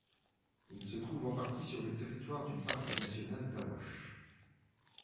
Il se trouve en partie sur le territoire du parc national d'Awash.